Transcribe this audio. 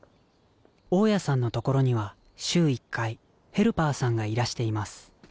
大家さんの所には週１回ヘルパーさんがいらしています